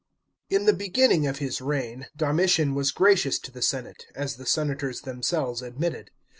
§ 16. In the beginning of his reign Domitian was gracious to the senate, as the senators themselves admitted.